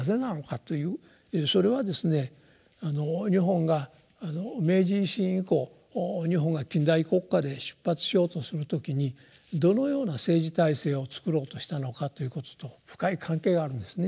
それはですね日本が明治維新以降日本が近代国家で出発しようとする時にどのような政治体制をつくろうとしたのかということと深い関係があるんですね。